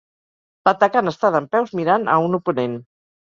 L'atacant està dempeus mirant a un oponent.